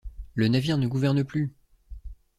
Le navire ne gouverne plus!